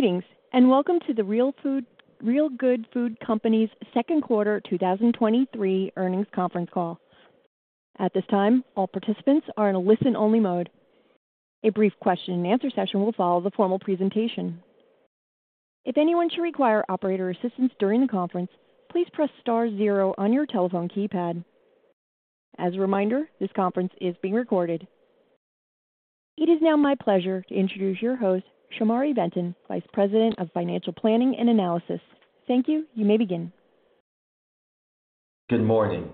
Greetings, and welcome to The Real Good Food Company's Q2 2023 Earnings Conference Call. At this time, all participants are in a listen-only mode. A brief question and answer session will follow the formal presentation. If anyone should require operator assistance during the conference, please press star zero on your telephone keypad. As a reminder, this conference is being recorded. It is now my pleasure to introduce your host, Shamari Benton, Vice President, Financial Planning and Analysis. Thank you. You may begin. Good morning,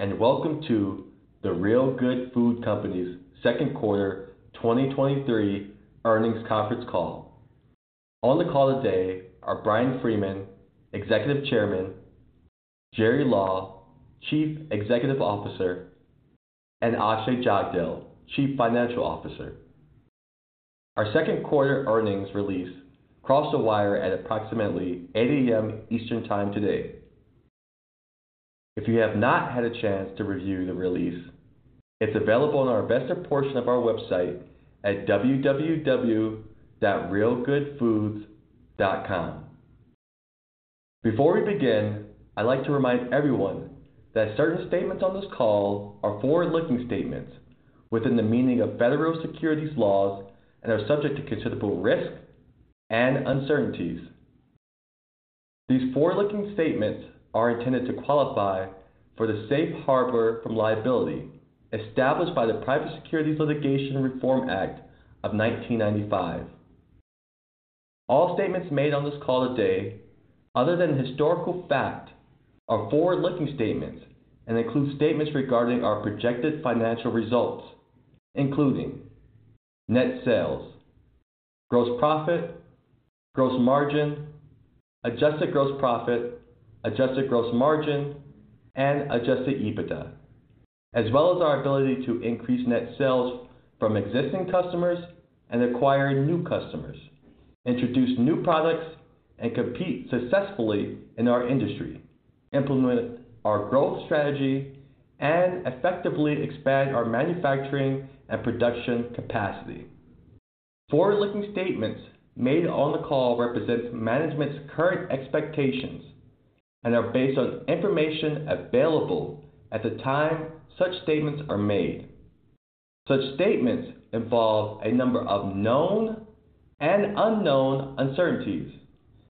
and welcome to The Real Good Food Company's Q2 2023 Earnings Conference Call. On the call today are Bryan Freeman, Executive Chairman; Jerry Law, Chief Executive Officer; and Akshay Jagdale, Chief Financial Officer. Our Q2 earnings release crossed the wire at approximately 8:00 A.M. Eastern Time today. If you have not had a chance to review the release, it's available on our investor portion of our website at www.realgoodfoods.com. Before we begin, I'd like to remind everyone that certain statements on this call are forward-looking statements within the meaning of federal securities laws and are subject to considerable risk and uncertainties. These forward-looking statements are intended to qualify for the safe harbor from liability established by the Private Securities Litigation Reform Act of 1995. All statements made on this call today, other than historical fact, are forward-looking statements and include statements regarding our projected financial results, including net sales, gross profit, gross margin, adjusted gross profit, adjusted gross margin, and adjusted EBITDA, as well as our ability to increase net sales from existing customers and acquire new customers, introduce new products, and compete successfully in our industry, implement our growth strategy, and effectively expand our manufacturing and production capacity. Forward-looking statements made on the call represent management's current expectations and are based on information available at the time such statements are made. Such statements involve a number of known and unknown uncertainties,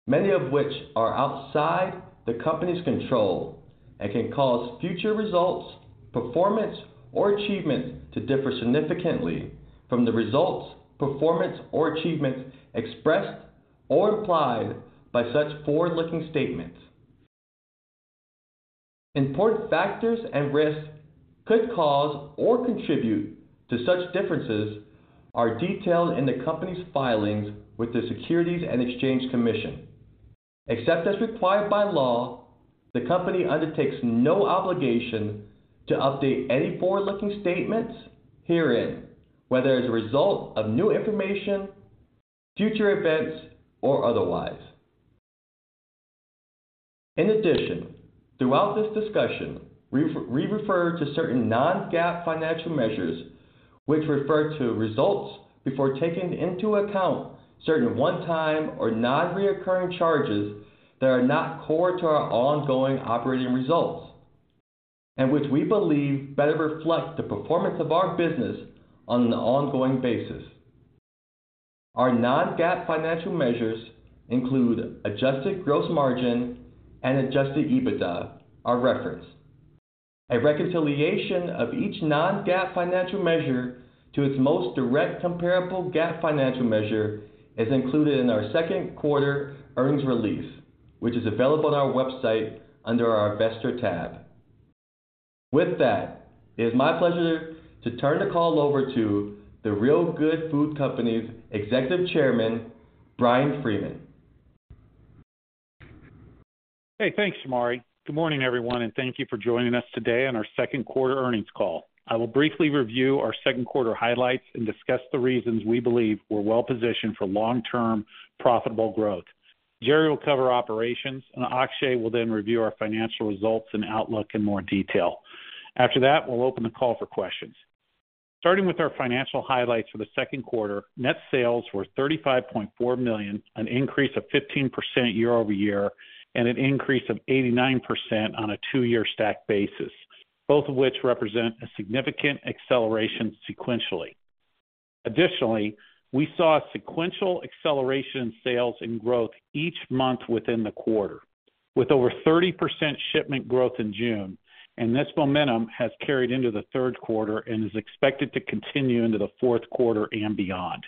many of which are outside the company's control, and can cause future results, performance, or achievements to differ significantly from the results, performance, or achievements expressed or implied by such forward-looking statements. Important factors and risks could cause or contribute to such differences are detailed in the company's filings with the Securities and Exchange Commission. Except as required by law, the company undertakes no obligation to update any forward-looking statements herein, whether as a result of new information, future events, or otherwise. In addition, throughout this discussion, we refer to certain non-GAAP financial measures, which refer to results before taking into account certain one-time or non-recurring charges that are not core to our ongoing operating results and which we believe better reflect the performance of our business on an ongoing basis. Our non-GAAP financial measures include adjusted gross margin and adjusted EBITDA, are referenced. A reconciliation of each non-GAAP financial measure to its most direct comparable GAAP financial measure is included in our Q2 earnings release, which is available on our website under our investor tab. With that, it is my pleasure to turn the call over to The Real Good Food Company's Executive Chairman, Bryan Freeman. Hey, thanks, Shamari. Good morning, everyone, and thank you for joining us today on our Q2 earnings call. I will briefly review our Q2 highlights and discuss the reasons we believe we're well positioned for long-term profitable growth. Jerry will cover operations, and Akshay will then review our financial results and outlook in more detail. After that, we'll open the call for questions. Starting with our financial highlights for the Q2, net sales were $35.4 million, an increase of 15% year-over-year, and an increase of 89% on a two-year stack basis, both of which represent a significant acceleration sequentially. Additionally, we saw a sequential acceleration in sales and growth each month within the quarter, with over 30% shipment growth in June. This momentum has carried into the Q3 and is expected to continue into the Q4 and beyond.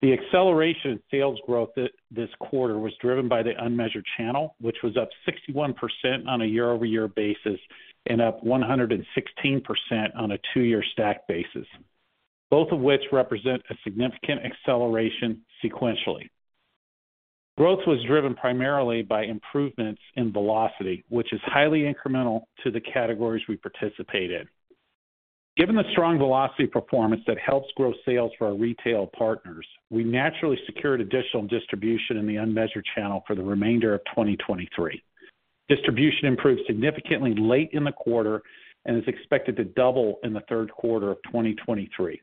The acceleration in sales growth this quarter was driven by the unmeasured channel, which was up 61% on a year-over-year basis and up 116% on a two-year stack basis, both of which represent a significant acceleration sequentially. Growth was driven primarily by improvements in velocity, which is highly incremental to the categories we participate in. Given the strong velocity performance that helps grow sales for our retail partners, we naturally secured additional distribution in the unmeasured channel for the remainder of 2023. Distribution improved significantly late in the quarter and is expected to double in the Q3 of 2023.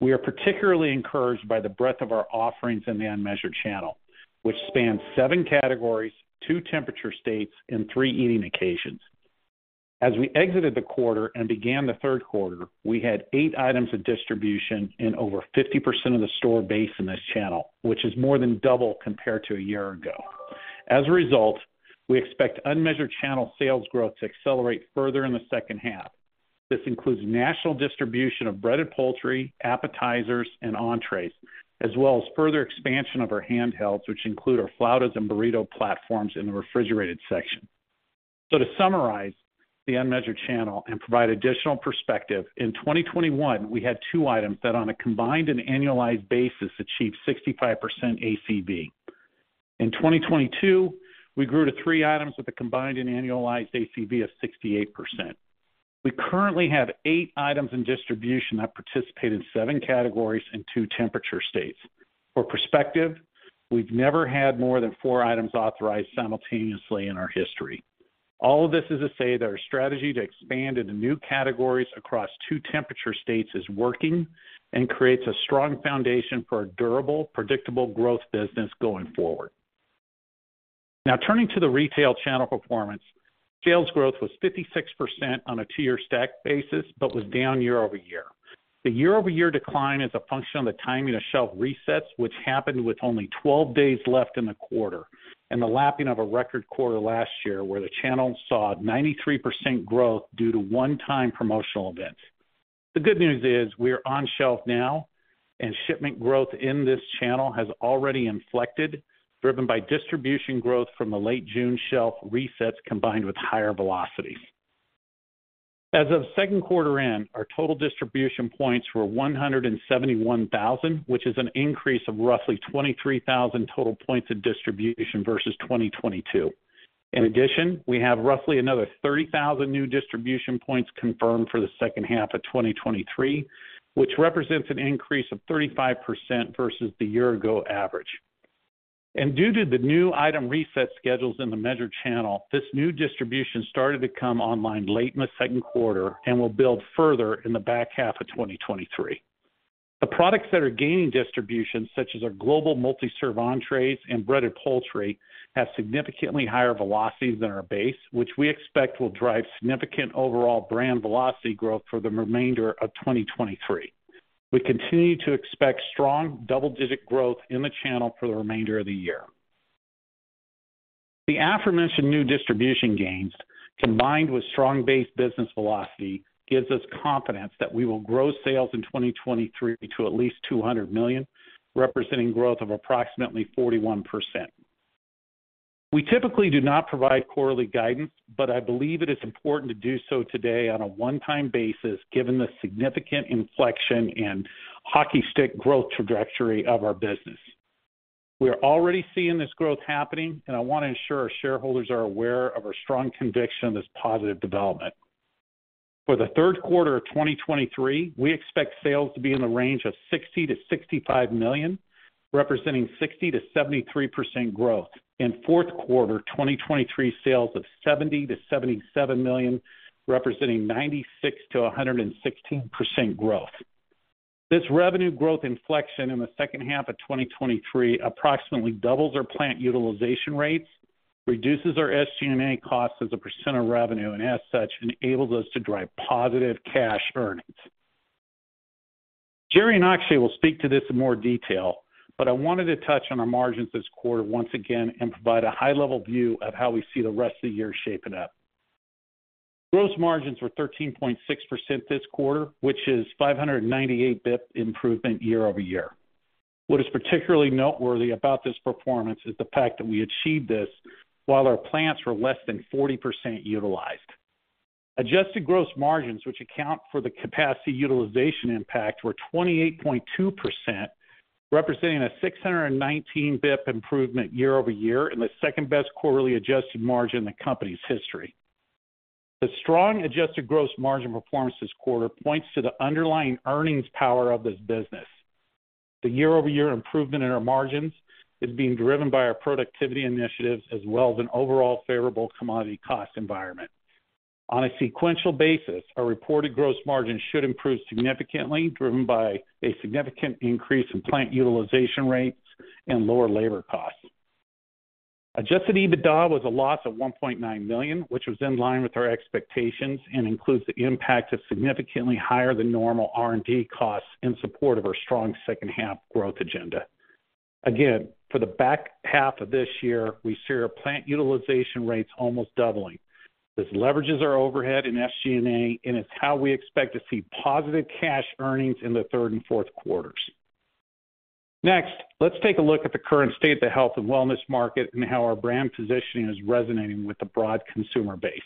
We are particularly encouraged by the breadth of our offerings in the unmeasured channel, which spans seven categories, two temperature states, and three eating occasions. As we exited the quarter and began the Q3, we had eight items of distribution in over 50% of the store base in this channel, which is more than double compared to a year ago. As a result, we expect unmeasured channel sales growth to accelerate further in the H2. This includes national distribution of breaded poultry, appetizers, and entrees, as well as further expansion of our handhelds, which include our Flautas and Burrito platforms in the refrigerated section. To summarize the unmeasured channel and provide additional perspective, in 2021, we had two items that, on a combined and annualized basis, achieved 65% ACB. In 2022, we grew to three items with a combined and annualized ACB of 68%. We currently have 8 items in distribution that participate in seven categories and two temperature states. For perspective, we've never had more than four items authorized simultaneously in our history. All of this is to say that our strategy to expand into new categories across two temperature states is working and creates a strong foundation for a durable, predictable growth business going forward. Turning to the retail channel performance. Sales growth was 56% on a 2-year stack basis, but was down year-over-year. The year-over-year decline is a function of the timing of shelf resets, which happened with only 12 days left in the quarter, and the lapping of a record quarter last year, where the channel saw 93% growth due to one-time promotional events. The good news is we are on shelf now, and shipment growth in this channel has already inflected, driven by distribution growth from the late June shelf resets, combined with higher velocity. As of Q2 end, our total distribution points were 171,000, which is an increase of roughly 23,000 total points of distribution versus 2022. In addition, we have roughly another 30,000 new distribution points confirmed for the H2 of 2023, which represents an increase of 35% versus the year ago average. Due to the new item reset schedules in the measured channel, this new distribution started to come online late in the Q2 and will build further in the back half of 2023. The products that are gaining distribution, such as our global multi-serve entrees and breaded poultry, have significantly higher velocities than our base, which we expect will drive significant overall brand velocity growth for the remainder of 2023. We continue to expect strong double-digit growth in the channel for the remainder of the year. The aforementioned new distribution gains, combined with strong base business velocity, gives us confidence that we will grow sales in 2023 to at least $200 million, representing growth of approximately 41%. We typically do not provide quarterly guidance. I believe it is important to do so today on a one-time basis, given the significant inflection and hockey stick growth trajectory of our business. We are already seeing this growth happening. I want to ensure our shareholders are aware of our strong conviction of this positive development. For the Q3 of 2023, we expect sales to be in the range of $60 million to $65 million, representing 60% to 73% growth, and Q4 2023 sales of $70 million to $77 million, representing 96% to 116% growth. This revenue growth inflection in the H2 of 2023 approximately doubles our plant utilization rates, reduces our SG&A costs as a % of revenue. As such, enables us to drive positive cash earnings. Jerry and Akshay will speak to this in more detail, but I wanted to touch on our margins this quarter once again and provide a high-level view of how we see the rest of the year shaping up. Gross margins were 13.6% this quarter, which is 598 basis points improvement year-over-year. What is particularly noteworthy about this performance is the fact that we achieved this while our plants were less than 40% utilized. Adjusted gross margins, which account for the capacity utilization impact, were 28.2%, representing a 619 basis points improvement year-over-year and the second-best quarterly adjusted margin in the company's history. The strong adjusted gross margin performance this quarter points to the underlying earnings power of this business. The year-over-year improvement in our margins is being driven by our productivity initiatives as well as an overall favorable commodity cost environment. On a sequential basis, our reported gross margin should improve significantly, driven by a significant increase in plant utilization rates and lower labor costs. Adjusted EBITDA was a loss of $1.9 million, which was in line with our expectations and includes the impact of significantly higher than normal R&D costs in support of our strong H2 growth agenda. Again, for the back half of this year, we see our plant utilization rates almost doubling. This leverages our overhead in SG&A, and it's how we expect to see positive cash earnings in the Q3 and Q4. Next, let's take a look at the current state of the health and wellness market and how our brand positioning is resonating with the broad consumer base.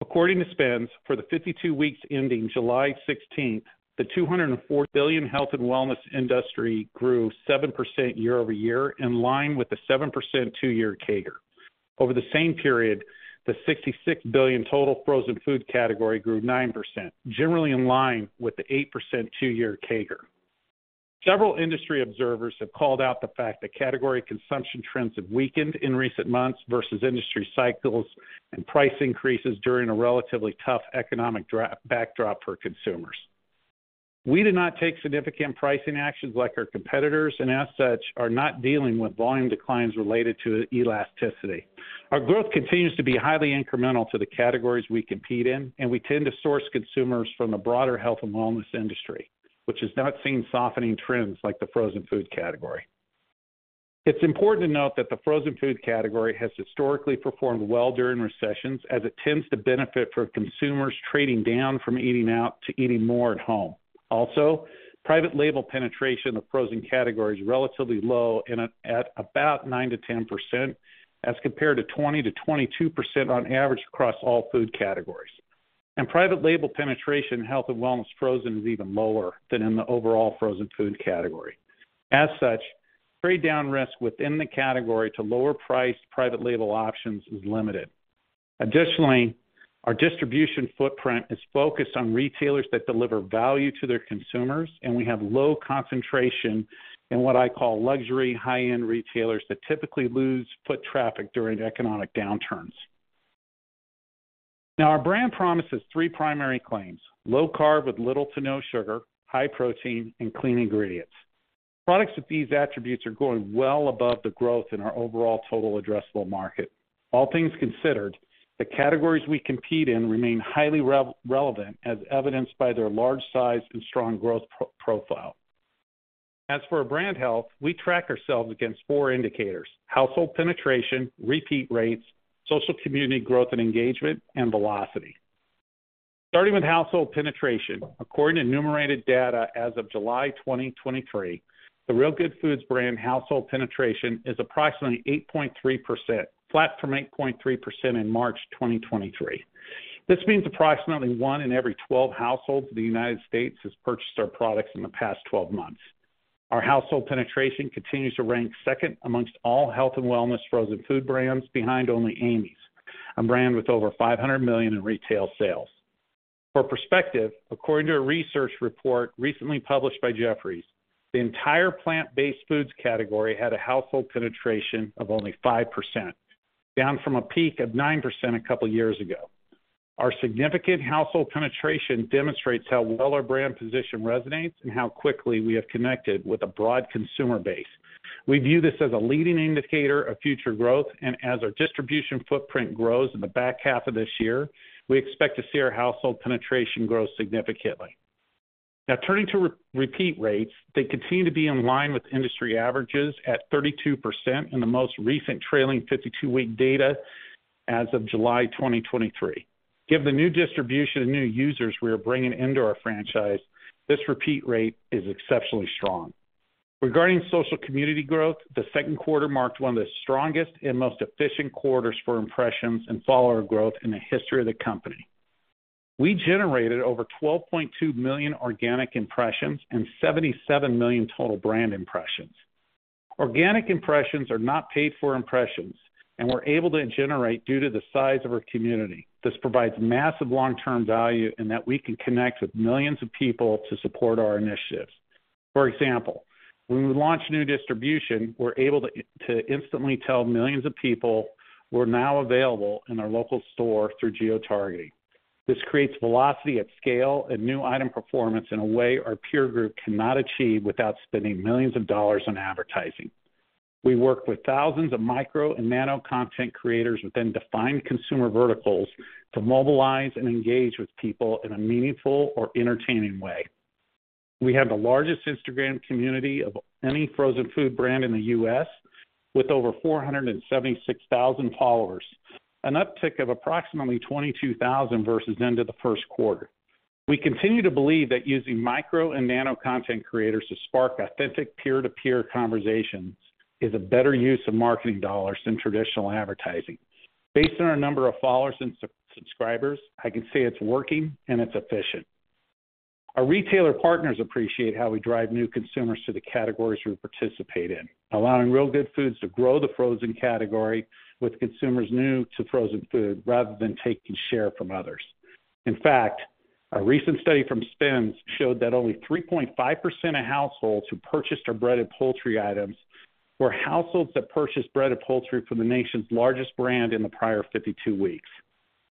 According to SPINS, for the 52 weeks ending July 16th, the $204 billion health and wellness industry grew 7% year-over-year, in line with the 7% two-year CAGR. Over the same period, the $66 billion total frozen food category grew 9%, generally in line with the 8% two-year CAGR. Several industry observers have called out the fact that category consumption trends have weakened in recent months versus industry cycles and price increases during a relatively tough economic backdrop for consumers. We did not take significant pricing actions like our competitors and, as such, are not dealing with volume declines related to elasticity. Our growth continues to be highly incremental to the categories we compete in, and we tend to source consumers from the broader health and wellness industry, which has not seen softening trends like the frozen food category. It's important to note that the frozen food category has historically performed well during recessions, as it tends to benefit from consumers trading down from eating out to eating more at home. Private label penetration of frozen category is relatively low and at about 9% to 10%, as compared to 20% to 22% on average across all food categories. Private label penetration in health and wellness frozen is even lower than in the overall frozen food category. As such, trade-down risk within the category to lower priced private label options is limited. Additionally, our distribution footprint is focused on retailers that deliver value to their consumers, and we have low concentration in what I call luxury high-end retailers, that typically lose foot traffic during economic downturns. Now, our brand promises three primary claims: low carb with little to no sugar, high protein, and clean ingredients. Products with these attributes are growing well above the growth in our overall total addressable market. All things considered, the categories we compete in remain highly relevant, as evidenced by their large size and strong growth profile. As for brand health, we track ourselves against four indicators: household penetration, repeat rates, social community growth and engagement, and velocity. Starting with household penetration. According to Numerator data as of July 2023, the Real Good Foods brand household penetration is approximately 8.3%, flat from 8.3% in March 2023. This means approximately one in every 12 households in the United States has purchased our products in the past 12 months. Our household penetration continues to rank second amongst all health and wellness frozen food brands, behind only Amy's, a brand with over $500 million in retail sales. For perspective, according to a research report recently published by Jefferies, the entire plant-based foods category had a household penetration of only 5%, down from a peak of 9% a couple of years ago. Our significant household penetration demonstrates how well our brand position resonates and how quickly we have connected with a broad consumer base. We view this as a leading indicator of future growth, and as our distribution footprint grows in the back half of this year, we expect to see our household penetration grow significantly. Now, turning to repeat rates, they continue to be in line with industry averages at 32% in the most recent trailing 52-week data as of July 2023. Given the new distribution and new users we are bringing into our franchise, this repeat rate is exceptionally strong. Regarding social community growth, the Q2 marked one of the strongest and most efficient quarters for impressions and follower growth in the history of The Real Good Food Company. We generated over 12.2 million organic impressions and 77 million total brand impressions. Organic impressions are not paid for impressions, and we're able to generate due to the size of our community. This provides massive long-term value, in that we can connect with millions of people to support our initiatives. For example, when we launch new distribution, we're able to instantly tell millions of people we're now available in their local store through geo-targeting. This creates velocity at scale and new item performance in a way our peer group cannot achieve without spending millions of dollars on advertising. We work with thousands of micro and nano content creators within defined consumer verticals to mobilize and engage with people in a meaningful or entertaining way. We have the largest Instagram community of any frozen food brand in the U.S., with over 476,000 followers, an uptick of approximately 22,000 versus end of the Q1. We continue to believe that using micro and nano content creators to spark authentic peer-to-peer conversations is a better use of marketing dollars than traditional advertising. Based on our number of followers and subscribers, I can say it's working and it's efficient. Our retailer partners appreciate how we drive new consumers to the categories we participate in, allowing Real Good Foods to grow the frozen category with consumers new to frozen food rather than taking share from others. In fact, a recent study from SPINS showed that only 3.5% of households who purchased our breaded poultry items were households that purchased breaded poultry from the nation's largest brand in the prior 52 weeks.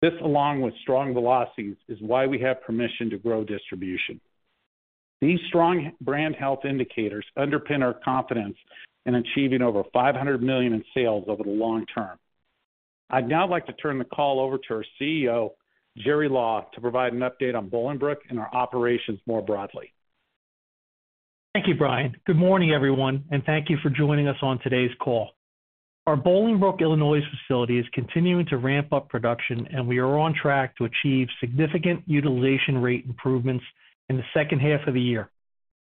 This, along with strong velocities, is why we have permission to grow distribution. These strong brand health indicators underpin our confidence in achieving over $500 million in sales over the long term. I'd now like to turn the call over to our CEO, Jerry Law, to provide an update on Bolingbrook and our operations more broadly. Thank you, Bryan. Good morning, everyone, and thank you for joining us on today's call. Our Bolingbrook, Illinois, facility is continuing to ramp up production, and we are on track to achieve significant utilization rate improvements in the H2 of the year.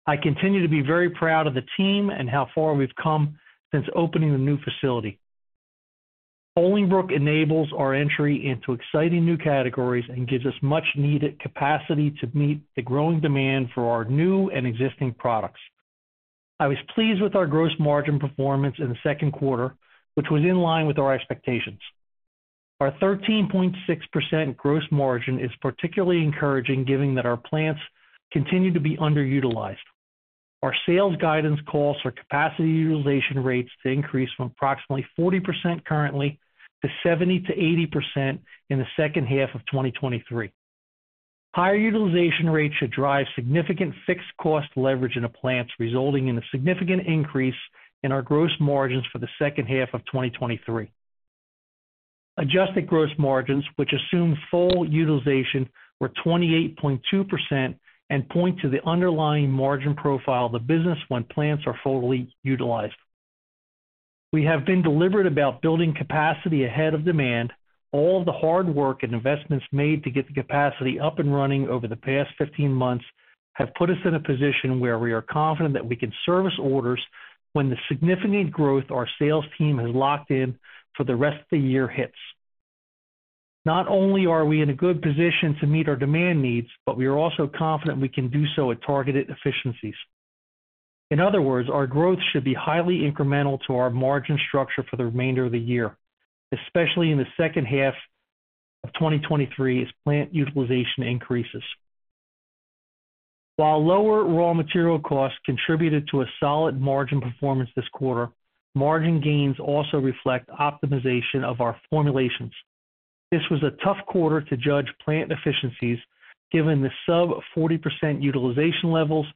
I continue to be very proud of the team and how far we've come since opening the new facility. Bolingbrook enables our entry into exciting new categories and gives us much needed capacity to meet the growing demand for our new and existing products. I was pleased with our gross margin performance in the Q2, which was in line with our expectations. Our 13.6% gross margin is particularly encouraging, given that our plants continue to be underutilized. Our sales guidance calls for capacity utilization rates to increase from approximately 40% currently to 70% to 80% in the H2 of 2023. Higher utilization rates should drive significant fixed cost leverage in the plants, resulting in a significant increase in our gross margins for the H2 of 2023. Adjusted gross margins, which assume full utilization, were 28.2% and point to the underlying margin profile of the business when plants are fully utilized. We have been deliberate about building capacity ahead of demand. All the hard work and investments made to get the capacity up and running over the past 15 months have put us in a position where we are confident that we can service orders when the significant growth our sales team has locked in for the rest of the year hits. Not only are we in a good position to meet our demand needs, we are also confident we can do so at targeted efficiencies. In other words, our growth should be highly incremental to our margin structure for the remainder of the year, especially in the H2 of 2023 as plant utilization increases. While lower raw material costs contributed to a solid margin performance this quarter, margin gains also reflect optimization of our formulations. This was a tough quarter to judge plant efficiencies, given the sub 40% utilization levels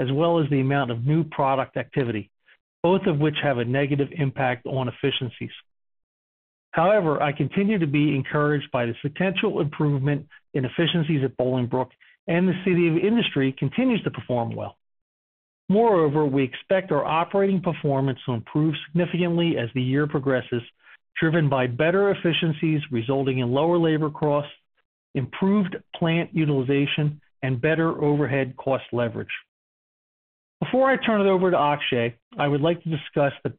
as well as the amount of new product activity, both of which have a negative impact on efficiencies. I continue to be encouraged by the potential improvement in efficiencies at Bolingbrook, and the City of Industry continues to perform well. Moreover, we expect our operating performance to improve significantly as the year progresses, driven by better efficiencies resulting in lower labor costs, improved plant utilization, and better overhead cost leverage. Before I turn it over to Akshay, I would like to discuss the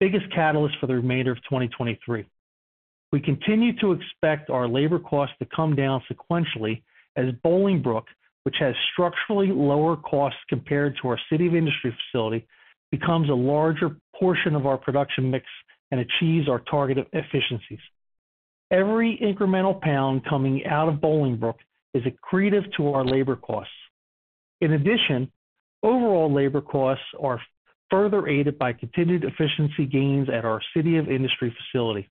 biggest catalyst for the remainder of 2023. We continue to expect our labor costs to come down sequentially as Bolingbrook, which has structurally lower costs compared to our City of Industry facility, becomes a larger portion of our production mix and achieves our targeted efficiencies. Every incremental pound coming out of Bolingbrook is accretive to our labor costs. In addition, overall labor costs are further aided by continued efficiency gains at our City of Industry facility.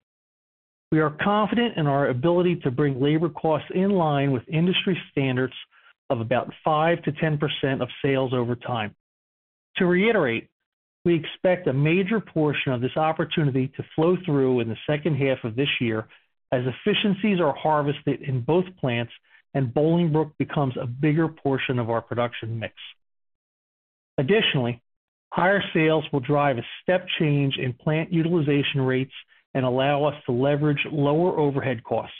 We are confident in our ability to bring labor costs in line with industry standards of about 5% to 10% of sales over time. To reiterate, we expect a major portion of this opportunity to flow through in the H2 of this year as efficiencies are harvested in both plants and Bolingbrook becomes a bigger portion of our production mix. Additionally, higher sales will drive a step change in plant utilization rates and allow us to leverage lower overhead costs.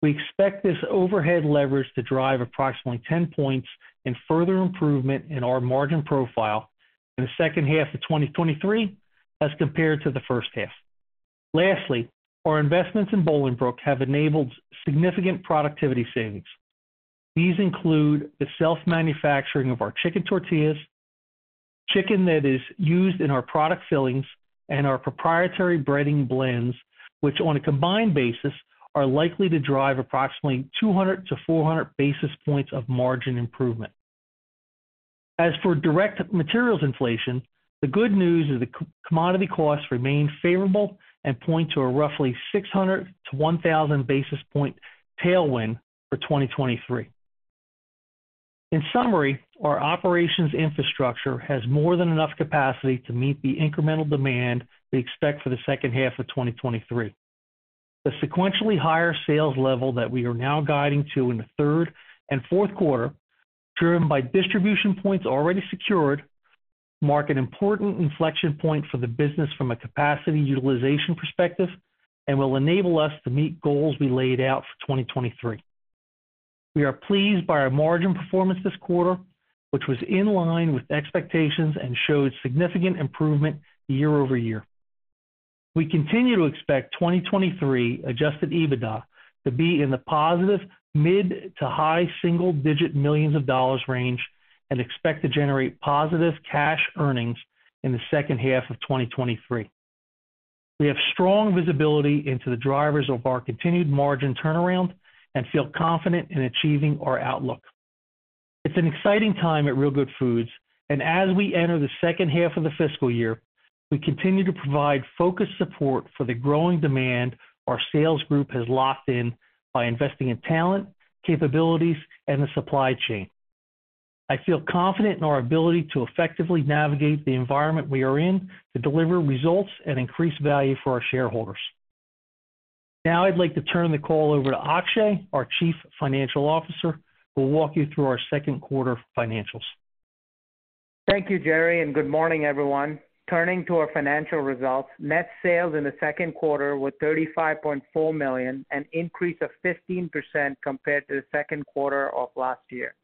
We expect this overhead leverage to drive approximately 10 points in further improvement in our margin profile in the H2 of 2023 as compared to the H1. Lastly, our investments in Bolingbrook have enabled significant productivity savings. These include the self-manufacturing of our chicken tortillas, chicken that is used in our product fillings, and our proprietary breading blends, which, on a combined basis, are likely to drive approximately 200 to 400 basis points of margin improvement. As for direct materials inflation, the good news is the commodity costs remain favorable and point to a roughly 600 to 1,000 basis point tailwind for 2023. In summary, our operations infrastructure has more than enough capacity to meet the incremental demand we expect for the H2 of 2023. The sequentially higher sales level that we are now guiding to in the Q3 and Q4, driven by distribution points already secured, mark an important inflection point for the business from a capacity utilization perspective and will enable us to meet goals we laid out for 2023. We are pleased by our margin performance this quarter, which was in line with expectations and showed significant improvement year-over-year. We continue to expect 2023 adjusted EBITDA to be in the positive mid to high single digit millions of dollars range and expect to generate positive cash earnings in the H2 of 2023. We have strong visibility into the drivers of our continued margin turnaround and feel confident in achieving our outlook. It's an exciting time at Real Good Foods, and as we enter the H2 of the fiscal year, we continue to provide focused support for the growing demand our sales group has locked in by investing in talent, capabilities, and the supply chain. I feel confident in our ability to effectively navigate the environment we are in to deliver results and increase value for our shareholders. Now I'd like to turn the call over to Akshay, our Chief Financial Officer, who will walk you through our Q2 financials. Thank you, Jerry. Good morning, everyone. Turning to our financial results. Net sales in the Q2 were $35.4 million, an increase of 15% compared to the Q2 of last year.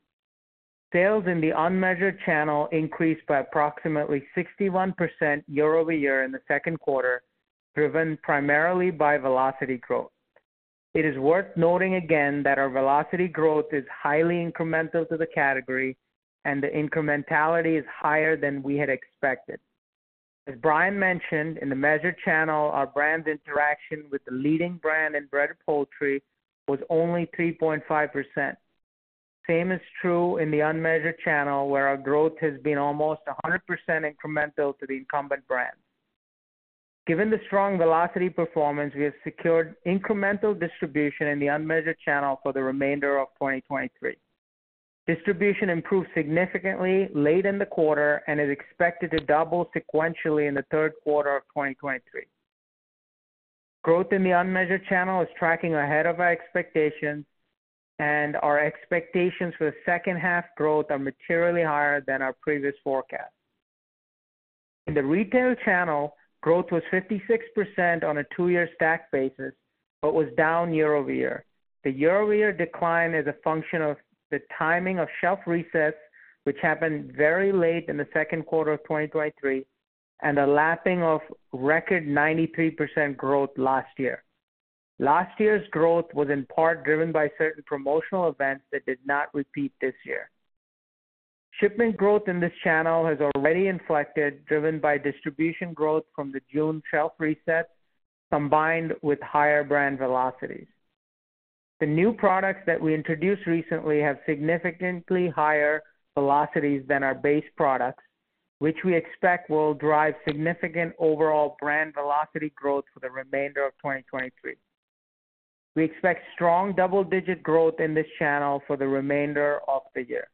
Sales in the unmeasured channel increased by approximately 61% year-over-year in theQ2, driven primarily by velocity growth. It is worth noting again that our velocity growth is highly incremental to the category, and the incrementality is higher than we had expected. As Bryan mentioned, in the measured channel, our brand interaction with the leading brand in breaded poultry was only 3.5%. Same is true in the unmeasured channel, where our growth has been almost 100% incremental to the incumbent brand. Given the strong velocity performance, we have secured incremental distribution in the unmeasured channel for the remainder of 2023. Distribution improved significantly late in the quarter and is expected to double sequentially in the Q3 of 2023. Growth in the unmeasured channel is tracking ahead of our expectations, and our expectations for H2 growth are materially higher than our previous forecast. In the retail channel, growth was 56% on a two-year stack basis, but was down year-over-year. The year-over-year decline is a function of the timing of shelf resets, which happened very late in the Q2 of 2023, and a lapping of record 93% growth last year. Last year's growth was in part driven by certain promotional events that did not repeat this year. Shipment growth in this channel has already inflected, driven by distribution growth from the June shelf resets, combined with higher brand velocities. The new products that we introduced recently have significantly higher velocities than our base products, which we expect will drive significant overall brand velocity growth for the remainder of 2023. We expect strong double-digit growth in this channel for the remainder of the year.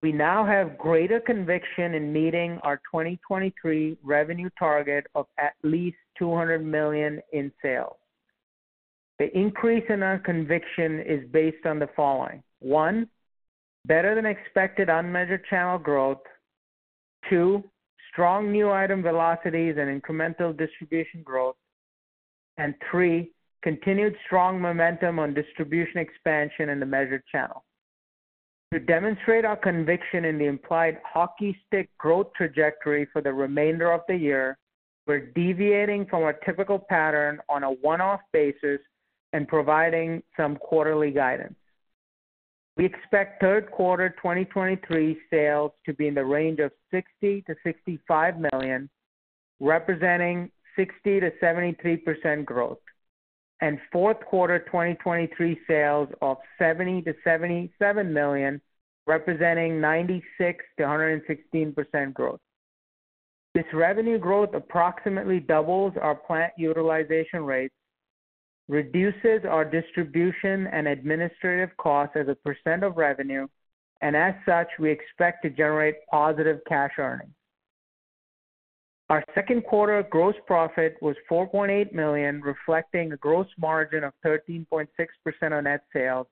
We now have greater conviction in meeting our 2023 revenue target of at least $200 million in sales. The increase in our conviction is based on the following: One, better than expected unmeasured channel growth. Two, strong new item velocities and incremental distribution growth. Three, continued strong momentum on distribution expansion in the measured channel. To demonstrate our conviction in the implied hockey stick growth trajectory for the remainder of the year, we're deviating from our typical pattern on a one-off basis and providing some quarterly guidance. We expect Q3 2023 sales to be in the range of $60 million to $65 million, representing 60% to 73% growth, and Q4 2023 sales of $70 million to $77 million, representing 96% to 116% growth. This revenue growth approximately doubles our plant utilization rates, reduces our distribution and administrative costs as a percent of revenue, and as such, we expect to generate positive cash earnings. Our Q2 gross profit was $4.8 million, reflecting a gross margin of 13.6% on net sales,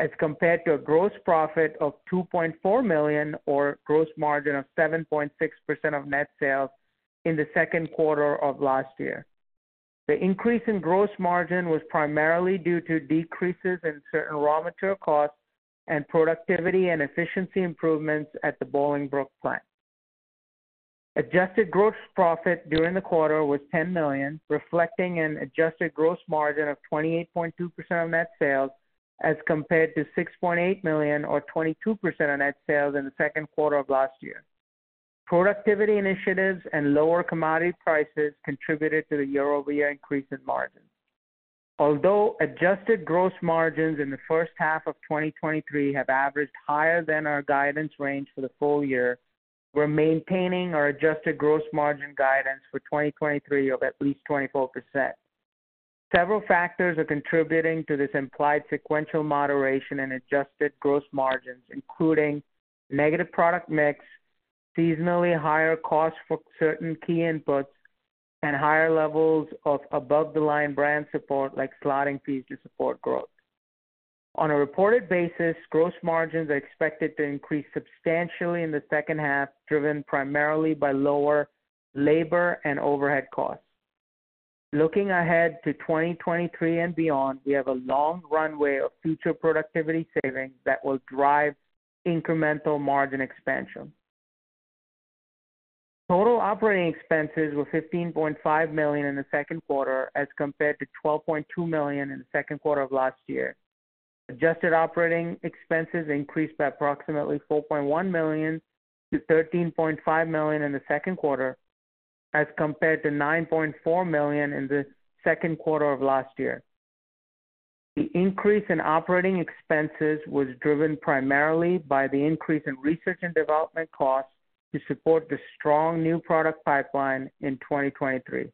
as compared to a gross profit of $2.4 million or gross margin of 7.6% of net sales in the Q2 of last year. The increase in gross margin was primarily due to decreases in certain raw material costs and productivity and efficiency improvements at the Bolingbrook plant. Adjusted gross profit during the quarter was $10 million, reflecting an adjusted gross margin of 28.2% of net sales, as compared to $6.8 million or 22% of net sales in the Q2 of last year. Productivity initiatives and lower commodity prices contributed to the year-over-year increase in margins. Although adjusted gross margins in the H1 of 2023 have averaged higher than our guidance range for the full year, we're maintaining our adjusted gross margin guidance for 2023 of at least 24%. Several factors are contributing to this implied sequential moderation in adjusted gross margins, including negative product mix, seasonally higher costs for certain key inputs, and higher levels of above the line brand support, like slotting fees to support growth. On a reported basis, gross margins are expected to increase substantially in the H2, driven primarily by lower labor and overhead costs. Looking ahead to 2023 and beyond, we have a long runway of future productivity savings that will drive incremental margin expansion. Total operating expenses were $15.5 million in the Q2, as compared to $12.2 million in the Q2 of last year. Adjusted operating expenses increased by approximately $4.1 million to $13.5 million in the Q2, as compared to $9.4 million in the Q2 of last year. The increase in operating expenses was driven primarily by the increase in research and development costs to support the strong new product pipeline in 2023.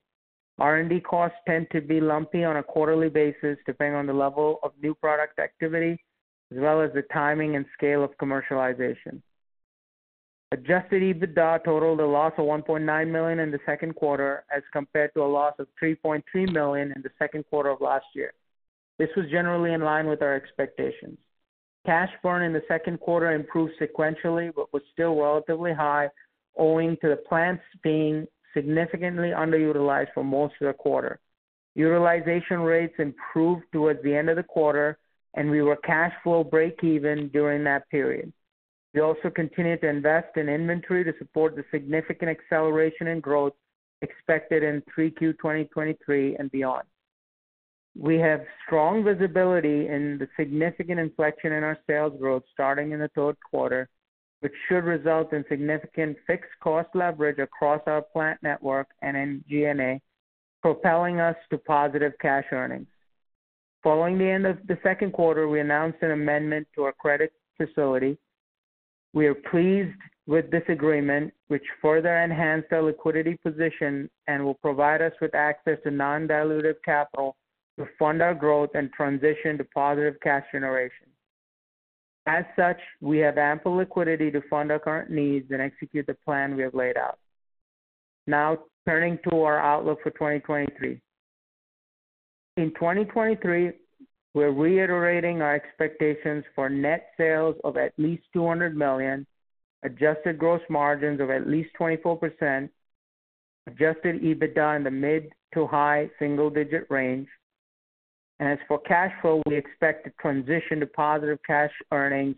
R&D costs tend to be lumpy on a quarterly basis, depending on the level of new product activity, as well as the timing and scale of commercialization. Adjusted EBITDA totaled a loss of $1.9 million in the Q2, as compared to a loss of $3.3 million in the Q2 of last year. This was generally in line with our expectations. Cash burn in the Q2 improved sequentially, was still relatively high, owing to the plants being significantly underutilized for most of the quarter. Utilization rates improved towards the end of the quarter, and we were cash flow breakeven during that period. We also continued to invest in inventory to support the significant acceleration in growth expected in 3Q 2023 and beyond. We have strong visibility in the significant inflection in our sales growth starting in the Q3, which should result in significant fixed cost leverage across our plant network and in G&A, propelling us to positive cash earnings. Following the end of the Q2, we announced an amendment to our credit facility. We are pleased with this agreement, which further enhanced our liquidity position and will provide us with access to non-dilutive capital to fund our growth and transition to positive cash generation. As such, we have ample liquidity to fund our current needs and execute the plan we have laid out. Now, turning to our outlook for 2023. In 2023, we're reiterating our expectations for net sales of at least $200 million, adjusted gross margins of at least 24%, adjusted EBITDA in the mid to high single digit range. As for cash flow, we expect to transition to positive cash earnings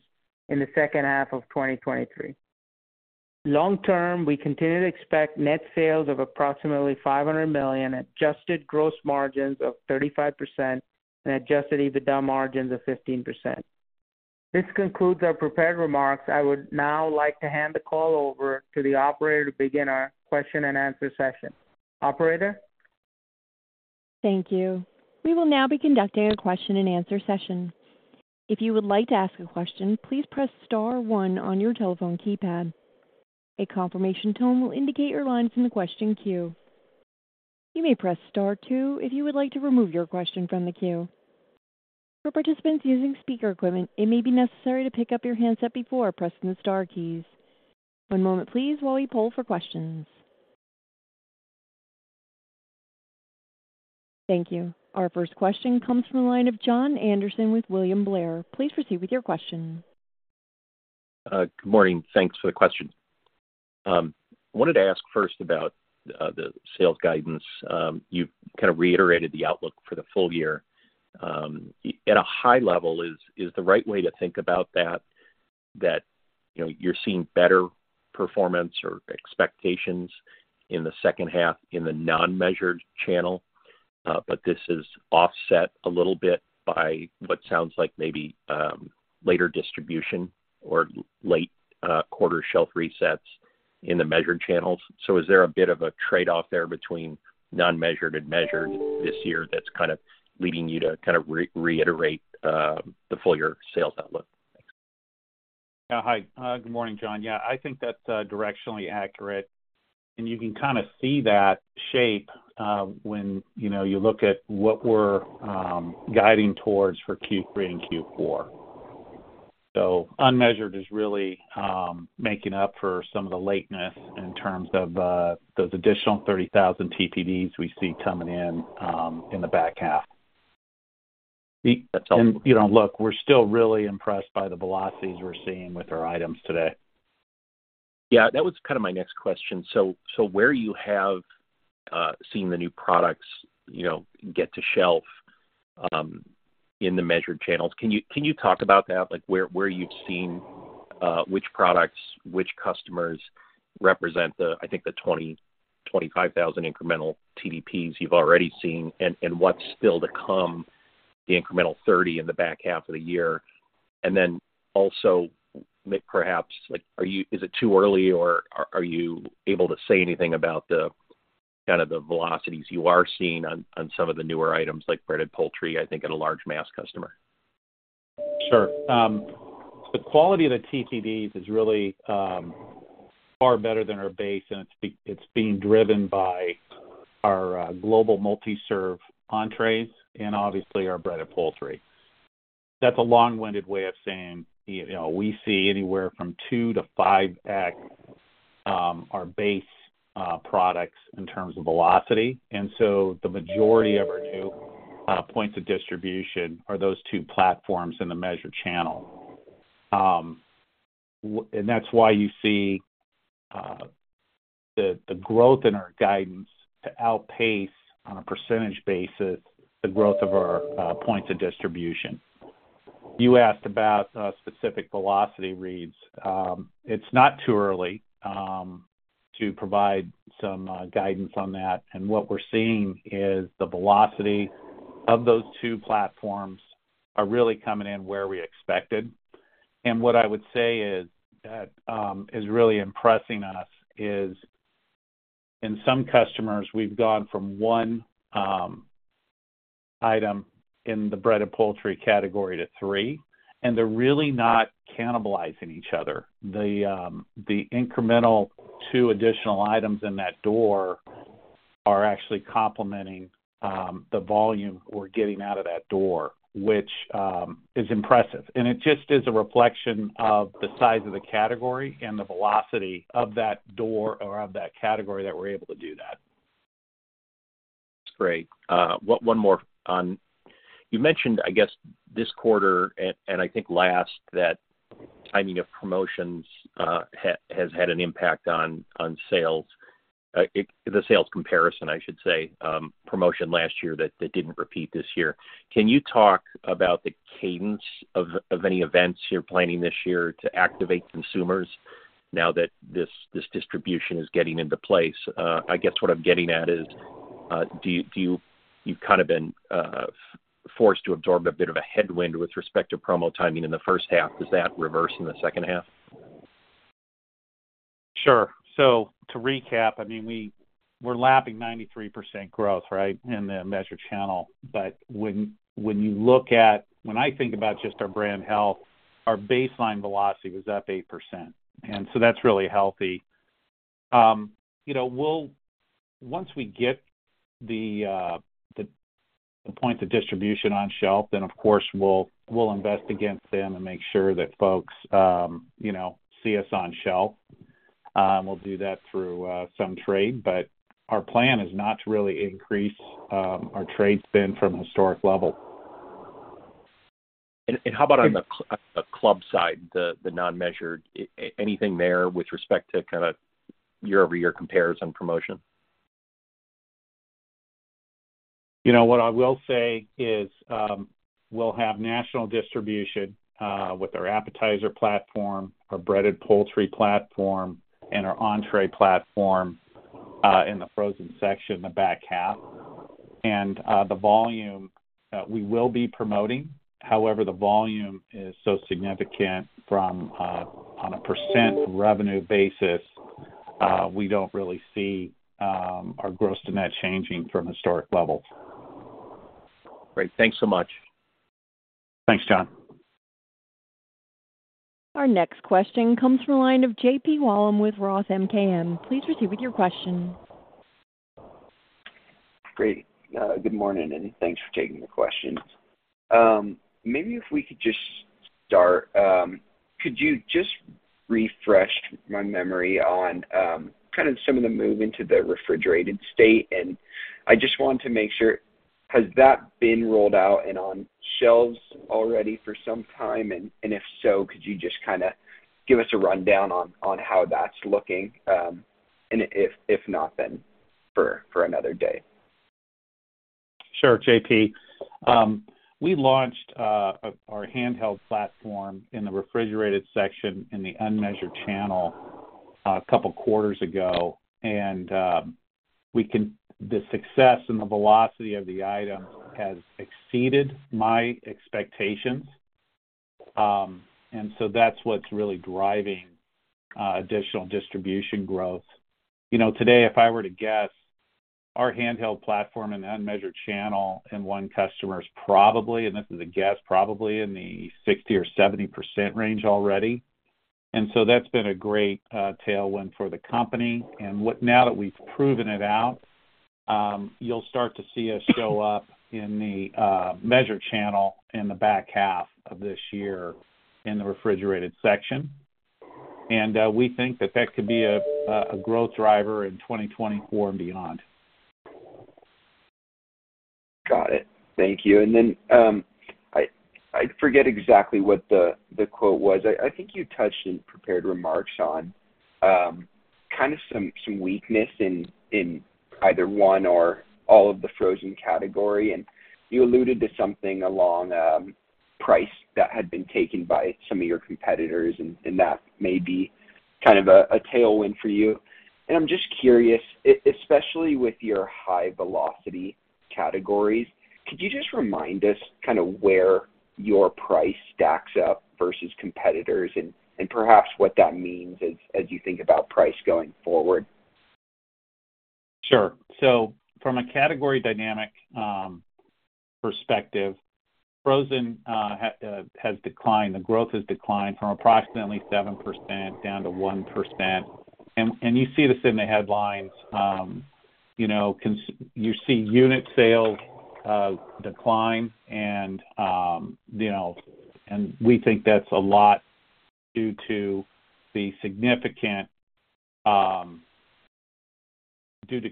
in the H2 of 2023. Long term, we continue to expect net sales of approximately $500 million, adjusted gross margins of 35% and adjusted EBITDA margins of 15%. This concludes our prepared remarks. I would now like to hand the call over to the operator to begin our question and answer session. Operator? Thank you. We will now be conducting a question and answer session. If you would like to ask a question, please press star one on your telephone keypad. A confirmation tone will indicate your line is in the question queue. You may press star two if you would like to remove your question from the queue. For participants using speaker equipment, it may be necessary to pick up your handset before pressing the star keys. One moment please, while we poll for questions. Thank you. Our first question comes from the line of Jon Andersen with William Blair. Please proceed with your question. Good morning. Thanks for the question. I wanted to ask first about the sales guidance. You've kind of reiterated the outlook for the full year. At a high level, is the right way to think about that, you know, you're seeing better performance or expectations in the H2 in the non-measured channel, but this is offset a little bit by what sounds like maybe later distribution or late quarter shelf resets in the measured channels? So is there a bit of a trade-off there between non-measured and measured this year that's kind of leading you to kind of reiterate the full year sales outlook? Yeah. Hi, good morning, Jon. Yeah, I think that's directionally accurate, and you can kind of see that shape, when, you know, you look at what we're guiding towards for Q3 and Q4. Unmeasured is really making up for some of the lateness in terms of those additional 30,000 TDPs we see coming in, in the back half. You know, look, we're still really impressed by the velocities we're seeing with our items today. Yeah, that was kind of my next question. Where you have seen the new products, you know, get to shelf in the measured channels, can you talk about that? Where you've seen which products, which customers represent the, I think, the 20,000 to 25,000 incremental TDPs you've already seen, and what's still to come, the incremental 30 in the back half of the year. Perhaps, is it too early, or are you able to say anything about the kind of the velocities you are seeing on some of the newer items, like breaded poultry, I think, at a large mass customer? Sure. The quality of the TDPs is really far better than our base, and it's being driven by our global multi-serve entrees and obviously our breaded poultry. That's a long-winded way of saying, you know, we see anywhere from 2 to 5x our base products in terms of velocity. The majority of our new points of distribution are those two platforms in the measured channel. That's why you see the growth in our guidance to outpace, on a percentage basis, the growth of our points of distribution. You asked about specific velocity reads. It's not too early to provide some guidance on that. What we're seeing is the velocity of those two platforms are really coming in where we expected. What I would say is that is really impressing us is in some customers we've gone from one item in the breaded poultry category to three, and they're really not cannibalizing each other. The, the incremental two additional items in that door are actually complementing the volume we're getting out of that door, which is impressive. It just is a reflection of the size of the category and the velocity of that door or of that category, that we're able to do that. Great. One more, you mentioned, I guess, this quarter, and I think last, that timing of promotions has had an impact on sales. The sales comparison, I should say, promotion last year that didn't repeat this year. Can you talk about the cadence of any events you're planning this year to activate consumers? now that this distribution is getting into place, I guess what I'm getting at is, do you, you've kind of been forced to absorb a bit of a headwind with respect to promo timing in the H1. Does that reverse in the H2? Sure. To recap, I mean, we're lapping 93% growth, right, in the measured channel. When I think about just our brand health, our baseline velocity was up 8%, and so that's really healthy. You know, we'll once we get the point of distribution on shelf, then of course we'll invest against them and make sure that folks, you know, see us on shelf. We'll do that through some trade, but our plan is not to really increase our trade spend from historic levels. How about on the club side the non-measured, anything there with respect to year-over-year compares and promotion? You know, what I will say is, we'll have national distribution with our appetizer platform, our breaded poultry platform, and our entree platform in the frozen section in the back half. The volume we will be promoting, however, the volume is so significant from on a percent revenue basis, we don't really see our gross net changing from historic levels. Great. Thanks so much. Thanks, Jon. Our next question comes from the line of JP Wallum with Roth MKM. Please proceed with your question. Great. Good morning, and thanks for taking the questions. Maybe if we could just start, could you just refresh my memory on, kind of some of the move into the refrigerated state? I just want to make sure, has that been rolled out and on shelves already for some time, and, and if so, could you just kind of give us a rundown on, on how that's looking? And if not, then for another day. Sure, JP. We launched our handheld platform in the refrigerated section in the unmeasured channel two quarters ago. The success and the velocity of the item has exceeded my expectations. That's what's really driving additional distribution growth. You know, today, if I were to guess, our handheld platform in the unmeasured channel in one customer is probably, and this is a guess, probably in the 60% to 70% range already. That's been a great tailwind for the company. Now that we've proven it out, you'll start to see us show up in the measured channel in the back half of this year in the refrigerated section. We think that that could be a growth driver in 2024 and beyond. Got it. Thank you. Then, I forget exactly what the quote was. I think you touched in prepared remarks on, kind of some weakness in either one or all of the frozen category, and you alluded to something along, price that had been taken by some of your competitors, and that may be kind of a tailwind for you. I'm just curious, especially with your high velocity categories, could you just remind us kind of where your price stacks up versus competitors and perhaps what that means as you think about price going forward? Sure. From a category dynamic perspective, frozen has declined. The growth has declined from approximately 7% down to 1%. You see this in the headlines. You know, you see unit sales decline and, you know, we think that's a lot due to the significant due to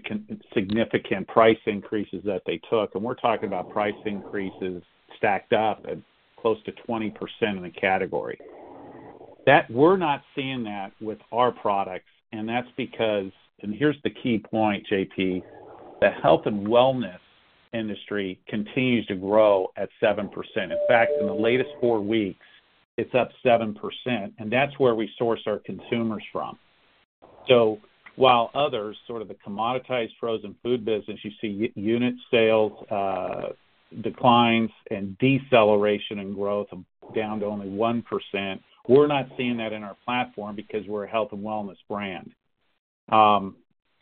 significant price increases that they took. We're talking about price increases stacked up at close to 20% in the category. We're not seeing that with our products, and that's because, here's the key point, JP, the health and wellness industry continues to grow at 7%. In fact, in the latest four weeks, it's up 7%, that's where we source our consumers from. While others, sort of the commoditized frozen food business, you see unit sales declines and deceleration in growth down to only 1%. We're not seeing that in our platform because we're a health and wellness brand.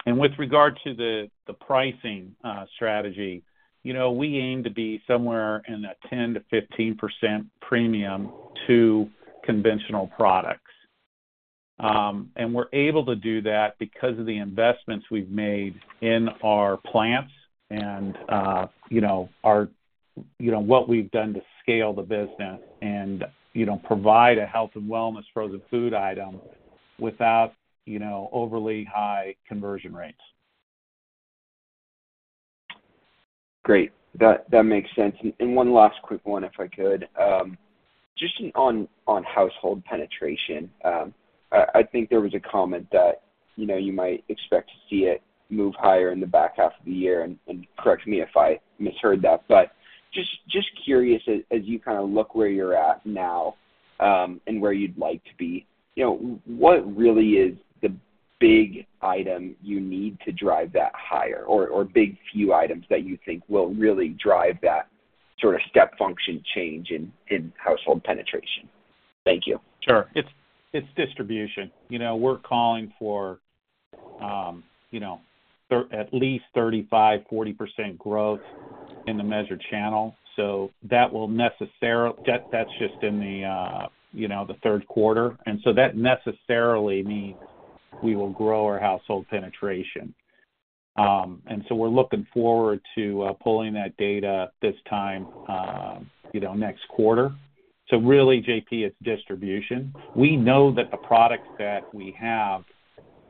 With regard to the pricing strategy, you know, we aim to be somewhere in a 10% to 15% premium to conventional products. We're able to do that because of the investments we've made in our plants and what we've done to scale the business and provide a health and wellness frozen food item without, you know, overly high conversion rates. Great. That, that makes sense. One last quick one, if I could. Just on, on household penetration, I think there was a comment that, you know, you might expect to see it move higher in the back half of the year, and, and correct me if I misheard that. But just, just curious, as, as you kind of look where you're at now, and where you'd like to be, you know, what really is the big item you need to drive that higher or big few items that you think will really drive that sort of step function change in household penetration? Thank you. Sure. It's distribution. You know, we're calling for, you know, at least 35% to 40% growth in the measured channel. That just in the Q3, that necessarily means we will grow our household penetration. We're looking forward to pulling that data this time, you know, next quarter. Really, JP, it's distribution. We know that the products that we have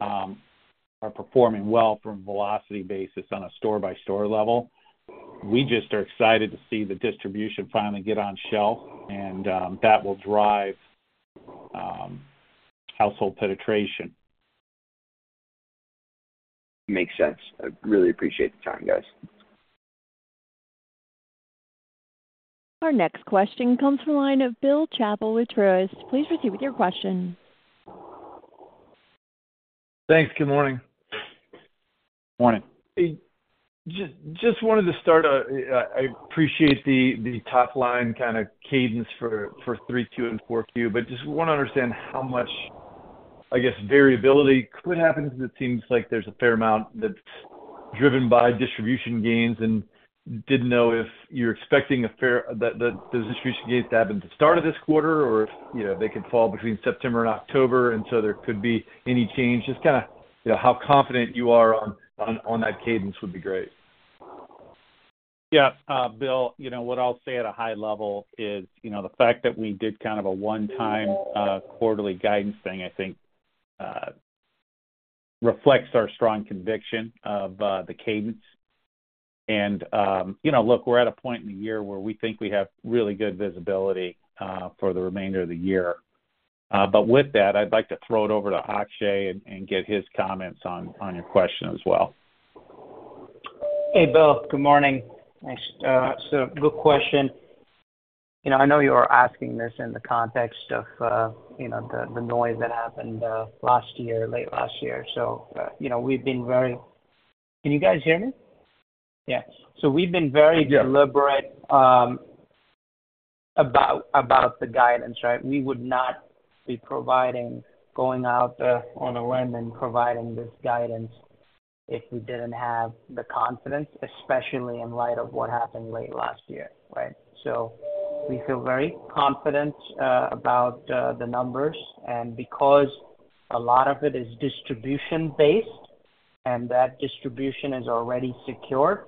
are performing well from a velocity basis on a store-by-store level. We just are excited to see the distribution finally get on shelf, that will drive household penetration. Makes sense. I really appreciate the time, guys. Our next question comes from the line of Bill Chappell with Truist. Please proceed with your question. Thanks. Good morning. Morning. Just wanted to start, I appreciate the top line kind of cadence for 3Q, 2Q and 4Q. Just want to understand how much, I guess, variability could happen, because it seems like there's a fair amount that's driven by distribution gains. Didn't know if you're expecting a fair, that those distribution gains to happen at the start of this quarter, or if, you know, they could fall between September and October, and so there could be any change. How confident you are on that cadence would be great? Yeah. Bill, you know, what I'll say at a high level is, you know, the fact that we did kind of a one-time, quarterly guidance thing, I think, reflects our strong conviction of, the cadence. You know, look, we're at a point in the year where we think we have really good visibility, for the remainder of the year. With that, I'd like to throw it over to Akshay and get his comments on, on your question as well. Hey, Bill. Good morning. Thanks. Good question. You know, I know you are asking this in the context of, you know, the, the noise that happened, last year, late last year. Can you guys hear me? We've been very deliberate about the guidance, right? We would not be providing, going out there on a limb and providing this guidance if we didn't have the confidence, especially in light of what happened late last year, right? We feel very confident, about the numbers. Because a lot of it is distribution based and that distribution is already secured,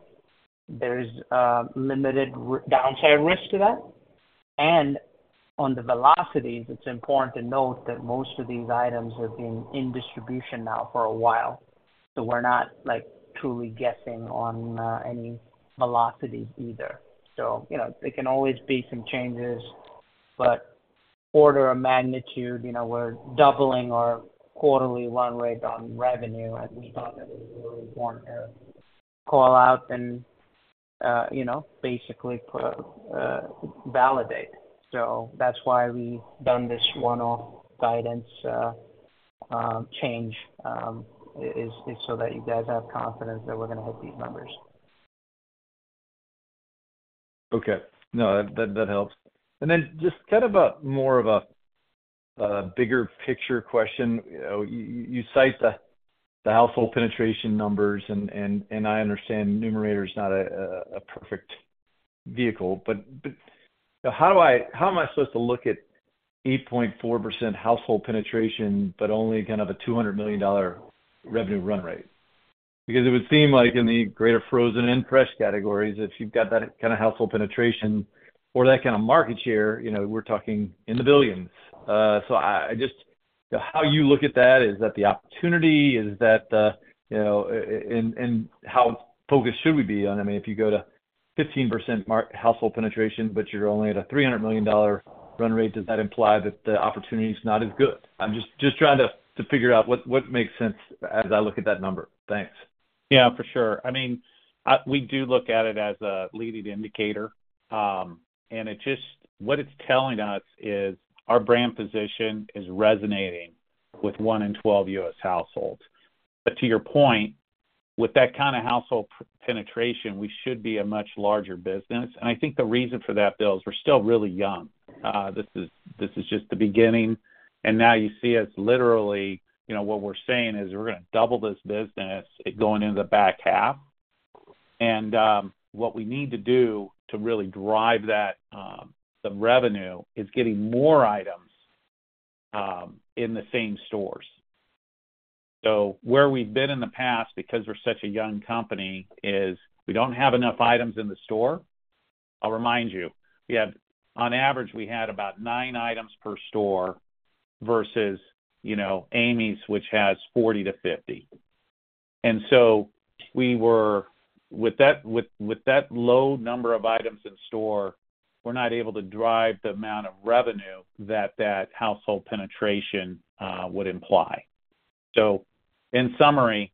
there's limited downside risk to that. On the velocities, it's important to note that most of these items have been in distribution now for a while. We're not like, truly guessing on any velocities either. You know, there can always be some changes, but order of magnitude, you know, we're doubling our quarterly run rate on revenue, and we thought that it was really important to call out and, you know, basically put, validate. That's why we've done this one-off guidance, change, is so that you guys have confidence that we're going to hit these numbers. Okay. No, that, that helps. Then just kind of a more of a bigger picture question? You know, you cite the household penetration numbers, and I understand Numerator is not a perfect vehicle, but how do I how am I supposed to look at 8.4% household penetration, but only kind of a $200 million revenue run rate? It would seem like in the greater frozen and fresh categories, if you've got that kind of household penetration or that kind of market share, you know, we're talking in the billions. How you look at that, is that the opportunity? How focused should we be on I mean, if you go to 15% household penetration, but you're only at a $300 million run rate, does that imply that the opportunity is not as good? I'm just, just trying to figure out what makes sense as I look at that number. Thanks. Yeah, for sure. I mean, We do look at it as a leading indicator, and what it's telling us is our brand position is resonating with one in 12 U.S. households. To your point, with that kind of household penetration, we should be a much larger business. I think the reason for that, Bill, is we're still really young. This is, this is just the beginning, and now you see us literally, you know, what we're saying is we're gonna double this business going into the back half. What we need to do to really drive that, the revenue, is getting more items in the same stores. Where we've been in the past, because we're such a young company, is we don't have enough items in the store. I'll remind you, we had on average, we had about nine items per store versus, you know, Amy's, which has 40 to 50. With that low number of items in store, we're not able to drive the amount of revenue that that household penetration would imply. In summary.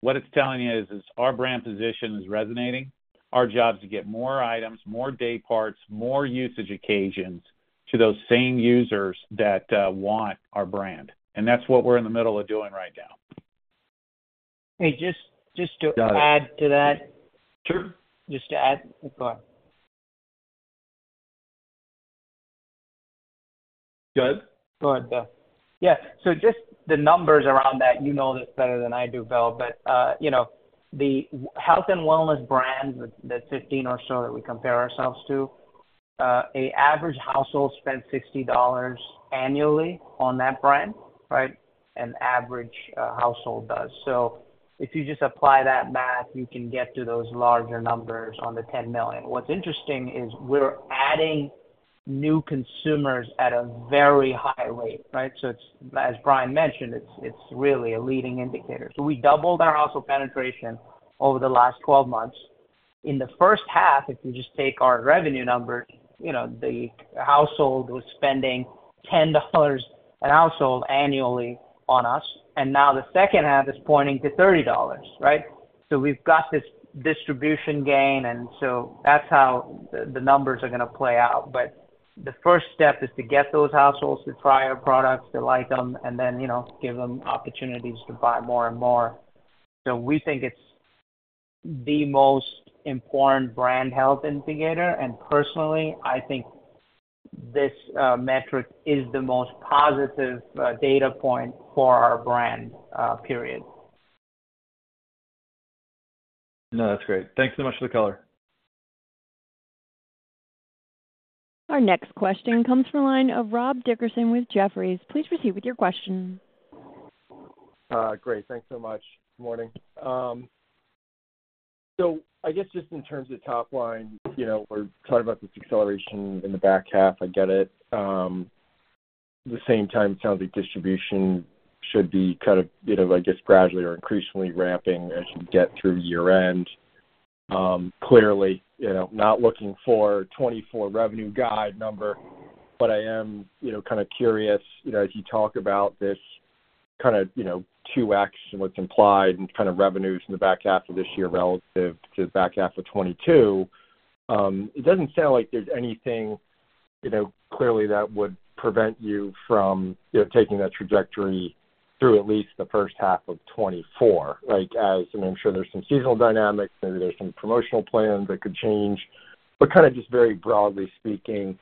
What it's telling you is our brand position is resonating. Our job is to get more items, more day parts, more usage occasions to those same users that want our brand. That's what we're in the middle of doing right now. Hey, just, just to add to that? Sure. Just to add. Go ahead. Go ahead. Yeah. Just the numbers around that, you know this better than I do, Bill, but, you know, the health and wellness brands, the 15 or so that we compare ourselves to, a average household spends $60 annually on that brand, right? An average household does. If you just apply that math, you can get to those larger numbers on the $10 million. What's interesting is we're adding new consumers at a very high rate, right? It's as Bryan mentioned, it's really a leading indicator. We doubled our household penetration over the last 12 months. In the H1, if you just take our revenue numbers, you know, the household was spending $10 a household annually on us, and now the H2 is pointing to $30, right? We've got this distribution gain, and so that's how the numbers are gonna play out. The first step is to get those households to try our products, they like them, and then, you know, give them opportunities to buy more and more. We think it's the most important brand health indicator, and personally, I think this metric is the most positive data point for our brand, period. No, that's great. Thanks so much for the color. Our next question comes from the line of Rob Dickerson with Jefferies. Please proceed with your question. Great. Thanks so much. Good morning. I guess just in terms of top line, you know, we're talking about this acceleration in the back half. I get it. At the same time, it sounds like distribution should be kind of, you know, I guess, gradually or increasingly ramping as you get through year-end. Clearly, you know, not looking for 2024 revenue guide number, I am, you know, kind of curious, you know, as you talk about this kind of, you know, 2x and what's implied and kind of revenues in the back half of this year relative to the back half of 2022. It doesn't sound like there's anything, you know, clearly that would prevent you from, you know, taking that trajectory through at least the H1 of 2024. I'm sure there's some seasonal dynamics, maybe there's some promotional plans that could change, but kind of just very broadly speaking,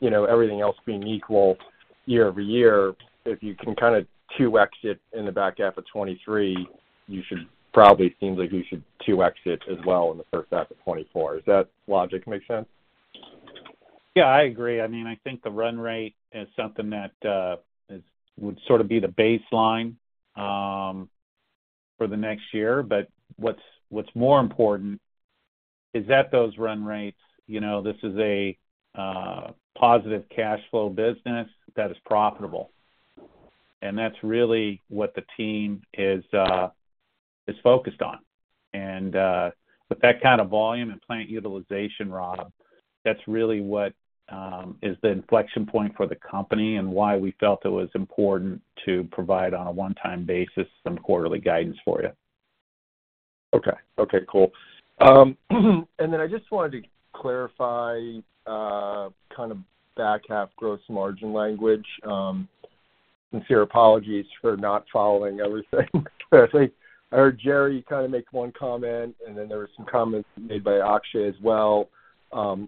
you know, everything else being equal year-over-year, if you can kind of 2x it in the back half of 2023, you should probably seems like you should 2x it as well in the H1 of 2024. Does that logic make sense? Yeah, I agree. I mean, I think the run rate is something that would sort of be the baseline for the next year. What's, what's more important is that those run rates, you know, this is a positive cash flow business that is profitable, and that's really what the team is focused on. With that kind of volume and plant utilization, Rob, that's really what is the inflection point for the company and why we felt it was important to provide, on a one-time basis, some quarterly guidance for you. Okay, cool. Then I just wanted to clarify, kind of back half gross margin language. Sincere apologies for not following everything. I heard Gerry kind of make one comment, then there were some comments made by Akshay as well.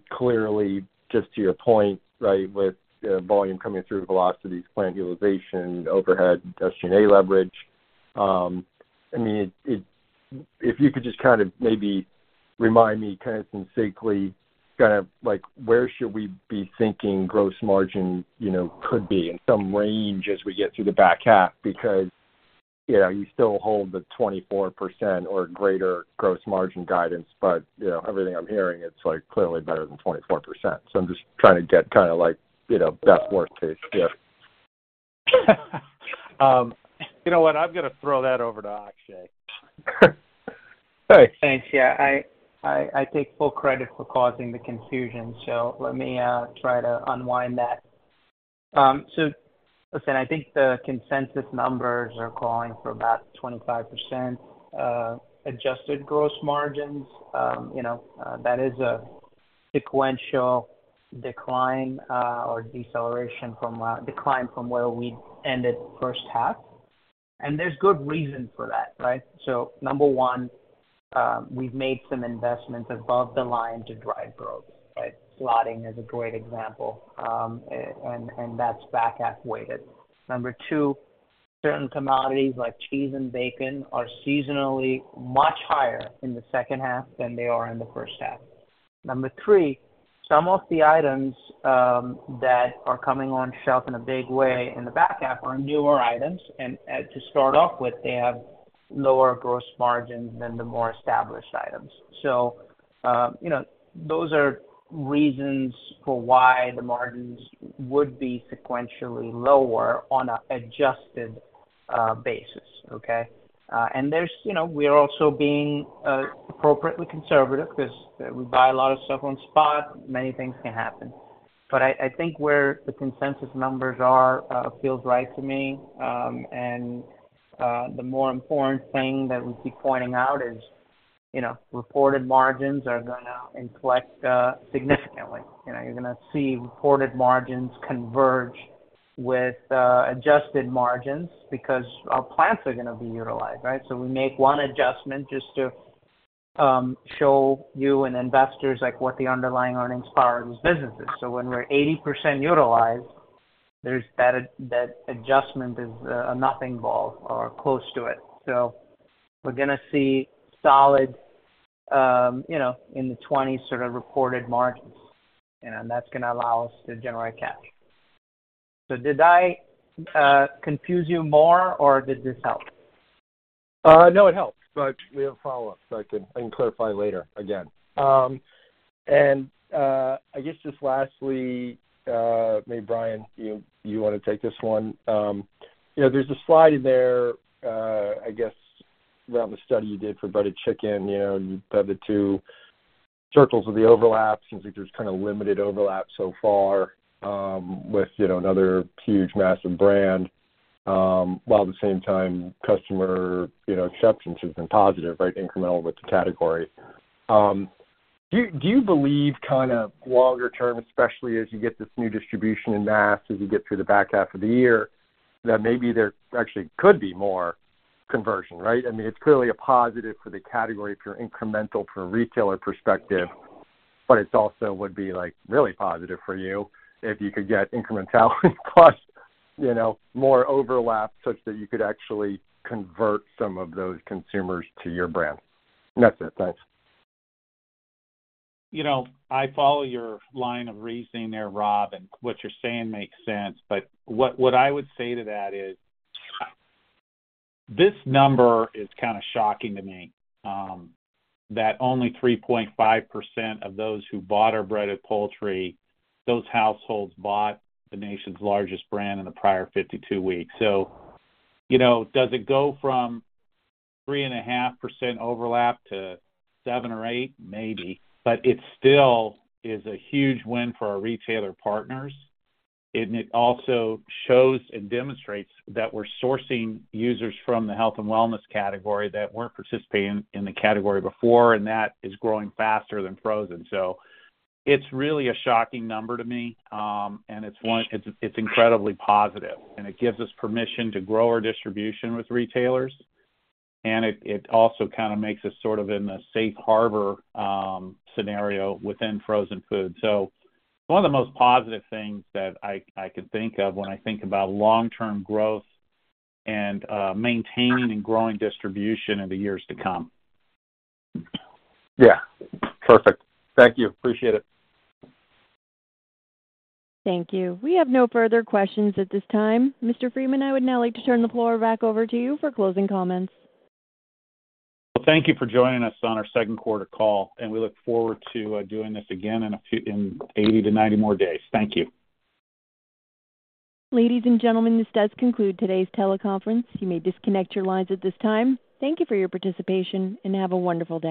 Clearly, just to your point, right, with volume coming through velocities, plant utilization, overhead, SG&A leverage, I mean, if you could just kind of maybe remind me kind of succinctly, kind of like, where should we be thinking gross margin, you know, could be in some range as we get through the back half? Because, you know, you still hold the 24% or greater gross margin guidance, but, you know, everything I'm hearing, it's, like, clearly better than 24%. I'm just trying to get kind of like, you know, best forecast here. You know what? I'm gonna throw that over to Akshay. Thanks. Yeah, I take full credit for causing the confusion, so let me try to unwind that. Listen, I think the consensus numbers are calling for about 25% adjusted gross margins. You know, that is a sequential decline, or deceleration from decline from where we ended H1, and there's good reason for that, right? Number one, we've made some investments above the line to drive growth, right? Slotting is a great example, and that's back half weighted. Number two, certain commodities like cheese and bacon are seasonally much higher in the H2 than they are in the H1. Number three, some of the items that are coming on shelf in a big way in the back half are newer items, and to start off with, they have lower gross margins than the more established items. You know, those are reasons for why the margins would be sequentially lower on a adjusted basis, okay? There's, you know, we are also being appropriately conservative because we buy a lot of stuff on spot. Many things can happen. I think where the consensus numbers are, feels right to me. The more important thing that we keep pointing out is, you know, reported margins are gonna inflect significantly. You know, you're gonna see reported margins converge with adjusted margins because our plants are gonna be utilized, right? We make one adjustment just to show you and investors like what the underlying earnings are in these businesses. When we're 80% utilized, there's that, that adjustment is a nothing ball or close to it. We're gonna see solid, you know, in the 20s sort of reported margins, and that's gonna allow us to generate cash. Did I confuse you more or did this help? No, it helped. We have a follow-up, so I can, I can clarify later again. I guess just lastly, maybe, Bryan, you, you want to take this one. You know, there's a slide in there, I guess, around the study you did for breaded chicken. You know, you have the two circles of the overlap. Seems like there's kind of limited overlap so far, with, you know, another huge, massive brand. While at the same time, customer, you know, acceptance has been positive, right, incremental with the category. Do you, do you believe kind of longer term, especially as you get this new distribution in mass, as you get through the back half of the year, that maybe there actually could be more conversion, right? I mean, it's clearly a positive for the category if you're incremental from a retailer perspective, but it's also would be, like, really positive for you if you could get incrementality plus, you know, more overlap, such that you could actually convert some of those consumers to your brand. That's it. Thanks. You know, I follow your line of reasoning there, Rob, and what you're saying makes sense. What I would say to that is, this number is kind of shocking to me, that only 3.5% of those who bought our breaded poultry, those households bought the nation's largest brand in the prior 52 weeks. You know, does it go from 3.5% overlap to seven or eight? Maybe. It still is a huge win for our retailer partners. It also shows and demonstrates that we're sourcing users from the health and wellness category that weren't participating in the category before, and that is growing faster than frozen. It's really a shocking number to me. It's incredibly positive, and it gives us permission to grow our distribution with retailers. It also kind of makes us sort of in the safe harbor scenario within frozen food. One of the most positive things that I could think of when I think about long-term growth and maintaining and growing distribution in the years to come. Yeah. Perfect. Thank you. Appreciate it. Thank you. We have no further questions at this time. Mr. Freeman, I would now like to turn the floor back over to you for closing comments. Well, thank you for joining us on our Q2 call, we look forward to doing this again in 80 to 90 more days. Thank you. Ladies and gentlemen, this does conclude today's teleconference. You may disconnect your lines at this time. Thank you for your participation, and have a wonderful day.